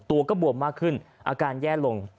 ตัวก็บวมมากขึ้นอาการแย่ลง